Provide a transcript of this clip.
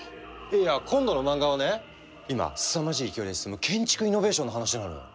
いや今度の漫画はね今すさまじい勢いで進む建築イノベーションの話なのよ。